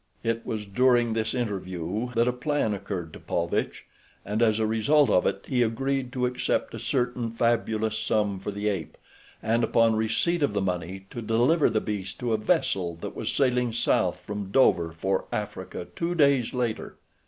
It was during this interview that a plan occurred to Paulvitch, and as a result of it he agreed to accept a certain fabulous sum for the ape, and upon receipt of the money to deliver the beast to a vessel that was sailing south from Dover for Africa two days later.